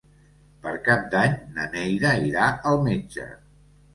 Per Cap d'Any na Neida irà al metge.